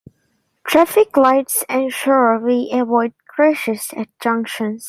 Traffic lights ensure we avoid crashes at junctions.